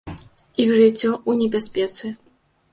Іх жыццё ў небяспецы.